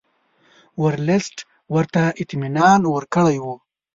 ورلسټ ورته اطمینان ورکړی وو.